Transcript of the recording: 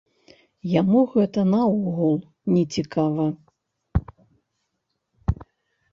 Яму гэта наогул не цікава.